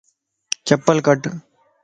چپل ڪڊ